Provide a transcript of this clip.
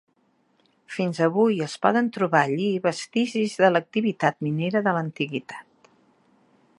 Fins avui es poden trobar allí vestigis de l'activitat minera de l'antiguitat.